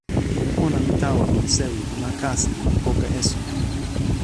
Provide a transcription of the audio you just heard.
ona li tawa lon sewi pi ma kasi lon poka esun.